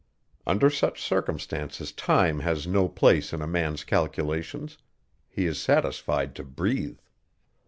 Under such circumstances time has no place in a man's calculations; he is satisfied to breathe.